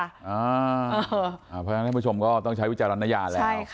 เพราะฉะนั้นท่านผู้ชมก็ต้องใช้วิจารณญาณแล้ว